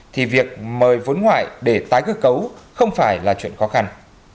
thì việc mời vốn ngoại để tái cơ cấu không phải là chuyện khó khăn